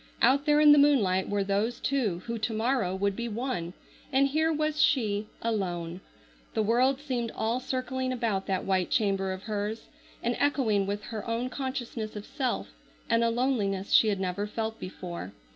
Out there in the moonlight were those two who to morrow would be one, and here was she, alone. The world seemed all circling about that white chamber of hers, and echoing with her own consciousness of self, and a loneliness she had never felt before.